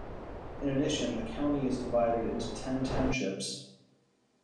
In addition, the county is divided into ten townships.